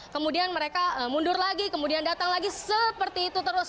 kemudian mereka mundur lagi kemudian datang lagi seperti itu terus